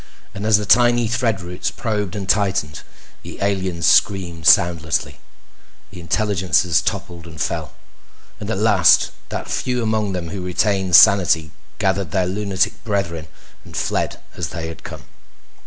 And as the tiny thread roots probed and tightened, the aliens screamed soundlessly. The intelligences toppled and fell, and at last that few among them who retained sanity gathered their lunatic brethren and fled as they had come.